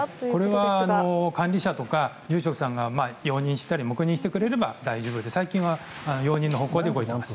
これは管理者とか住職さんが容認したり黙認してくれれば大丈夫で最近は容認の方向で動いています。